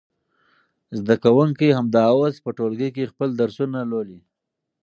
زده کوونکي همدا اوس په ټولګي کې خپل درسونه لولي.